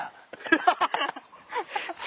アハハハ！